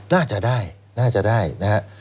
น่าจะได้น่าจะได้นะฮะ